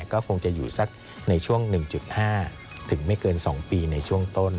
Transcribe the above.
ก็คงจะอยู่สักในช่วง๑๕ถึงไม่เกิน๒ปีในช่วงต้น